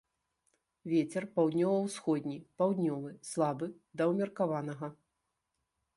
Вецер паўднёва-ўсходні, паўднёвы, слабы да ўмеркаванага.